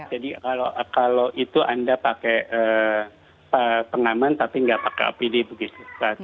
jadi kalau itu anda pakai pengaman tapi nggak pakai apd begitu